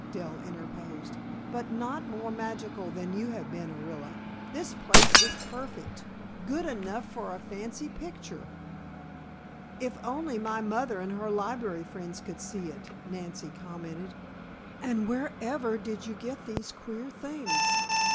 Dell interposed. "But not more magical than you have been, Orilla. This place is perfect. Good enough for a fancy picture!" "If only my mother and her library friends could see it," Nancy commented. "And where ever did you get these queer things?